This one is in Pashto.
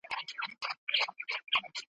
په کاږه نظر چي ګوري زما لیلا ښکلي وطن ته `